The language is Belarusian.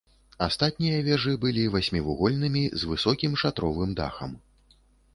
Астатнія вежы былі васьмівугольнымі, з высокім шатровым дахам.